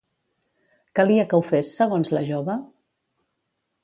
Calia que ho fes, segons la jove?